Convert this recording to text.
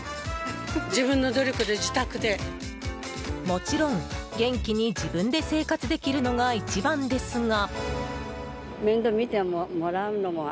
もちろん、元気に自分で生活できるのが一番ですが。